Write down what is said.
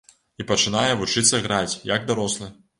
І пачынае вучыцца граць, як дарослы.